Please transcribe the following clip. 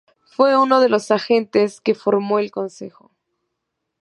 Fue uno de los agentes que formó el consejo.